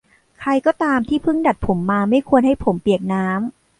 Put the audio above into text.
ใครก็ตามที่เพิ่งดัดผมมาไม่ควรให้ผมเปียกน้ำ